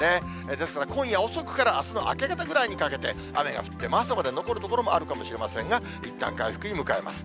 ですから今夜遅くからあすの明け方ぐらいにかけて雨が降って、朝まで残る所もあるかもしれませんが、いったん回復に向かいます。